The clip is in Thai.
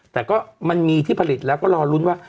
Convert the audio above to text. แต่ก็มันมีที่ผลิตแล้วก็รอลุ้นว่า